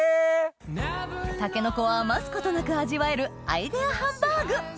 タケノコを余すことなく味わえるアイデアハンバーグ！